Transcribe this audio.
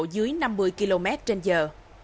dưới năm mươi km trên giờ